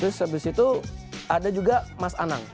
terus habis itu ada juga mas anang